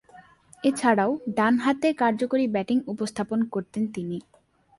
এছাড়াও ডানহাতে কার্যকরী ব্যাটিং উপস্থাপন করতেন তিনি।